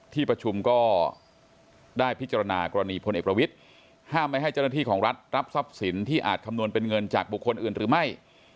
ที่ประชุมก็ได้พิจารณากรณีพลเอกประวิทย์ห้ามไม่ให้เจ้าหน้าที่ของรัฐรับทรัพย์สินที่อาจคำนวณเป็นเงินจากบุคคลอื่นหรือไม่